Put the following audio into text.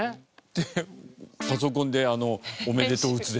でパソコンであの「おめでとう」打つでしょ。